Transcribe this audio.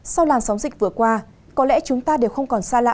sau làn sóng dịch vừa qua có lẽ chúng ta đều không còn xa lạ